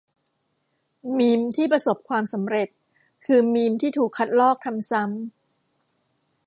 มีมที่ประสบความสำเร็จ คือมีมที่ถูกคัดลอก ทำซ้ำ